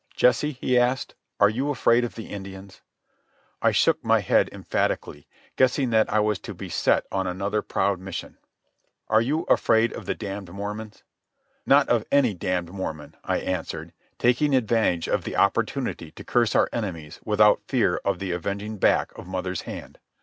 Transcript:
"Jesse," he asked, "are you afraid of the Indians?" I shook my head emphatically, guessing that I was to be sent on another proud mission. "Are you afraid of the damned Mormons?" "Not of any damned Mormon," I answered, taking advantage of the opportunity to curse our enemies without fear of the avenging back of mother's hand.